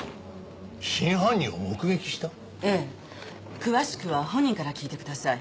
詳しくは本人から聞いてください。